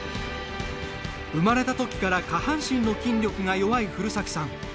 生まれたときから下半身の筋力が弱い古崎さん。